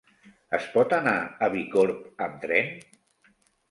Es pot anar a Bicorb amb tren?